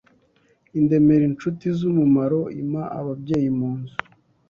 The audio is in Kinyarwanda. indemera incuti z’umumaro, impa ababyeyi mu nzu